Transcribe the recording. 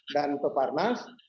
dan untuk parnas